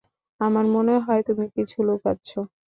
আমার মনে হয় তুমি কিছু লুকাচ্ছ।